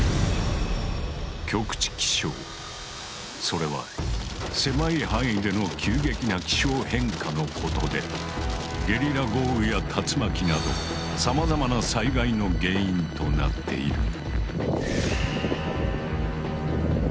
それは狭い範囲での急激な気象変化のことでゲリラ豪雨や竜巻などさまざまな災害の原因となっている。